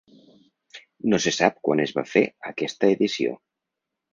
No se sap quan es va fer aquesta edició.